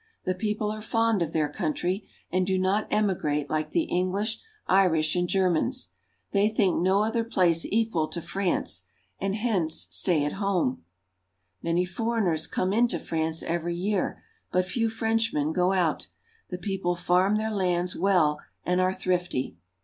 The people are fond of their country, and do not emigrate like the English, Irish, and Germans. They think no other place equal to France, and hence stay at home; many foreigners come into France every year, but few Frenchmen go out. The peo ple farm their lands well and are thrifty.